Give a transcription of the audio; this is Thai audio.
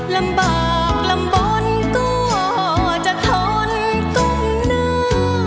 ลำบากลำบลก็จะทนก้มหน้า